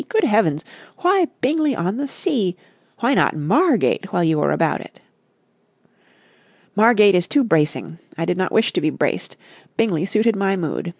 Good heavens! Why Bingley on the Sea? Why not Margate while you were about it?" "Margate is too bracing. I did not wish to be braced. Bingley suited my mood.